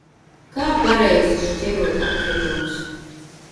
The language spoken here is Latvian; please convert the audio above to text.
Kā pareizi šķirot atkritumus?